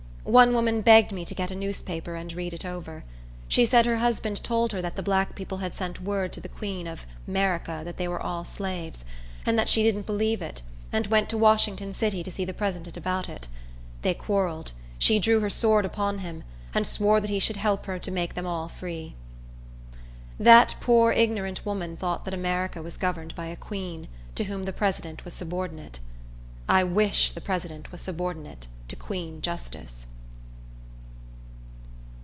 One woman begged me to get a newspaper and read it over. She said her husband told her that the black people had sent word to the queen of 'Merica that they were all slaves; that she didn't believe it, and went to Washington city to see the president about it. They quarrelled; she drew her sword upon him, and swore that he should help her to make them all free. That poor, ignorant woman thought that America was governed by a Queen, to whom the President was subordinate. I wish the President was subordinate to Queen Justice.